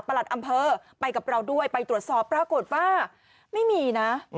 อำเภอไปกับเราด้วยไปตรวจสอบปรากฏว่าไม่มีนะ